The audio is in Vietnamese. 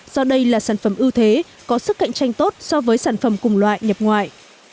do đây là sản phẩm ưu thế có sức cạnh tranh tốt so với sản phẩm cùng loại nhập ngoại